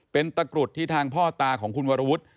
เป็นตะกรุดที่ทางพ่อตาของคุณวรวุฒิ